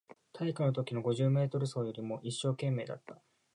体育のときの五十メートル走よりも一生懸命だった